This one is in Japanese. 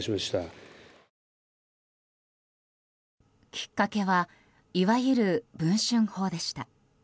きっかけはいわゆる文春砲でした。